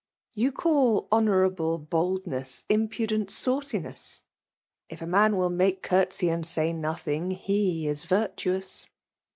You call bonoaiable boldness, impudent sauciness ; if a man liriSl make eourt'sey and say nothing, he is virtuous.